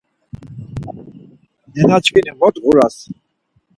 Nenaçkuni mot ğuras!